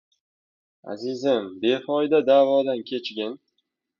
Azizim, befoyda da’vodan kechgin.